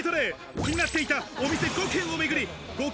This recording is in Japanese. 気になっていたお店５軒をめぐり合計